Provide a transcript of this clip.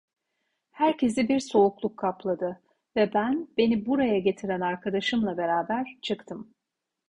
Herkesi bir soğukluk kapladı ve ben, beni buraya getiren arkadaşımla beraber çıktım.